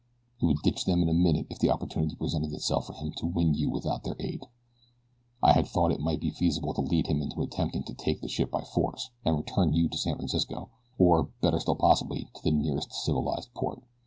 He would ditch them in a minute if the opportunity presented itself for him to win you without their aid. I had thought it might be feasible to lead him into attempting to take the ship by force, and return you to San Francisco, or, better still possibly, to the nearest civilized port.